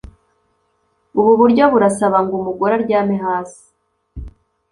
ubu buryo burasaba ngo umugore aryame hasi